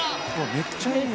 めっちゃいい。